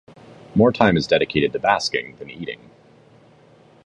More time is dedicated to basking than eating.